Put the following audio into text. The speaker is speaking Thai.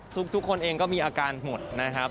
ทุกคนเองก็มีอาการหมดนะครับ